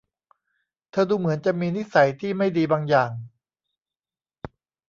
เธอดูเหมือนจะมีนิสัยที่ไม่ดีบางอย่าง